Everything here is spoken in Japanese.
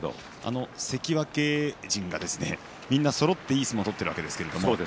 関脇勢がみんなそろっていい相撲を取っているわけです。